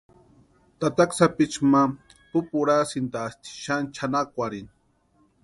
Tataka sapichu ma pupurhasïntasti xani chʼanakwarhini.